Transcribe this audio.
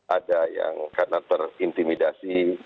ada yang karena terintimidasi